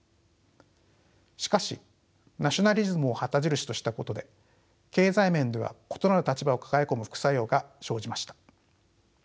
しかしナショナリズムを旗印としたことで経済面では異なる立場を抱え込む副作用が生じました。